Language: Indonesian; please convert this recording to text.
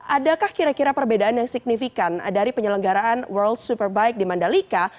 adakah kira kira perbedaan yang signifikan dari penyelenggaraan world superbike di mandalika